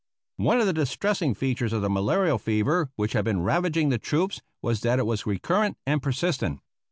One of the distressing features of the malarial fever which had been ravaging the troops was that it was recurrent and persistent.